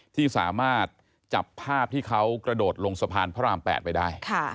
ที่สามารถจับภาพที่เขากระโดดลงสะพานพระราม๘ไปได้